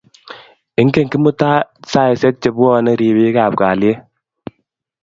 Inget Kimutai saishek che bwoni ribiik ab kalyet